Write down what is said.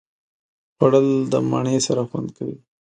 خوړل د مڼې سره خوند کوي